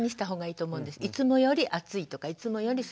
いつもより暑いとかいつもより涼しいとかね。